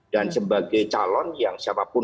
sebagai calon yang siapapun